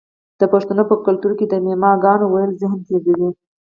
د پښتنو په کلتور کې د معما ګانو ویل ذهن تیزوي.